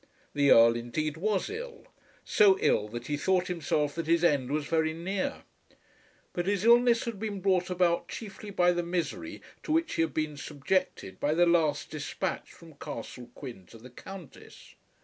The Earl, indeed, was ill, so ill that he thought himself that his end was very near; but his illness had been brought about chiefly by the misery to which he had been subjected by the last despatch from Castle Quin to the Countess.